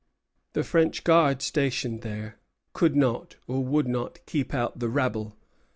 The French guard stationed there could not or would not keep out the rabble.